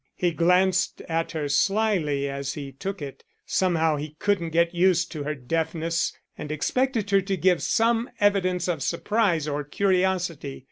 He glanced at her slyly as he took it. Somehow he couldn't get used to her deafness, and expected her to give some evidence of surprise or curiosity.